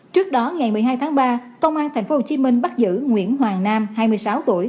trước đó ngày một mươi hai tháng ba công an thành phố hồ chí minh bắt giữ nguyễn hoàng nam hai mươi sáu tuổi